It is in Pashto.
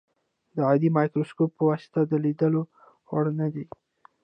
د عادي مایکروسکوپ په واسطه د لیدلو وړ نه دي.